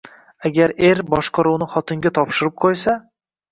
Agar er boshqaruvni xotinga topshirib qo‘ysa